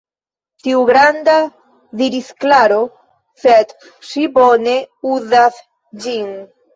Tre granda, diris Klaro, sed ŝi bone uzas ĝin.